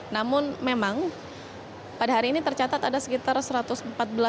namun memang pada hari ini tercatat ada sekitar satu ratus empat belas orang